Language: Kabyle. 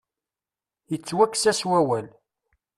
Yettwakkes-as wawal.